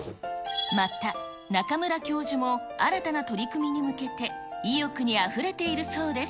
また、中村教授も新たな取り組みに向けて、意欲にあふれているそうです。